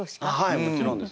はいもちろんです。